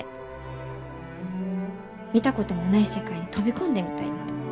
見たこともない世界に飛び込んでみたいって。